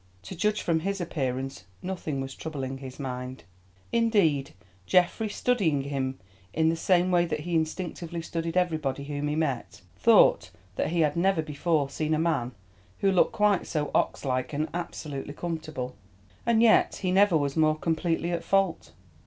To judge from his appearance nothing was troubling his mind. Indeed, Geoffrey studying him in the same way that he instinctively studied everybody whom he met, thought that he had never before seen a man who looked quite so ox like and absolutely comfortable. And yet he never was more completely at fault.